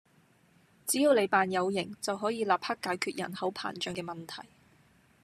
只要你扮有型，就可以立刻解決人口膨脹嘅問題